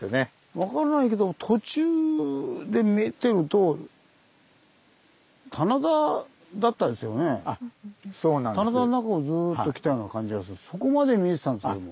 分からないけども棚田の中をずっと来たような感じがするそこまで見えてたんですけども。